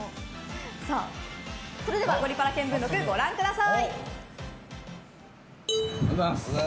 それでは「ゴリパラ見聞録」ご覧ください。